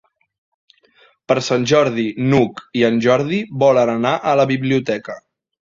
Per Sant Jordi n'Hug i en Jordi volen anar a la biblioteca.